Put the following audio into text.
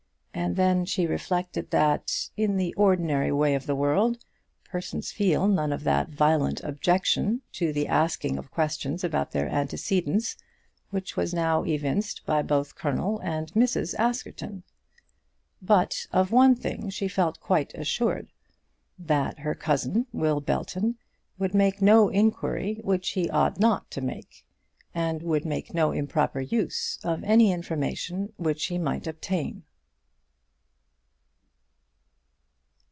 And then she reflected that, in the ordinary way of the world, persons feel none of that violent objection to the asking of questions about their antecedents which was now evinced by both Colonel and Mrs. Askerton. But of one thing she felt quite assured, that her cousin, Will Belton, would make no inquiry which he ought not to make; and would make no improper use of any information which he might obtain.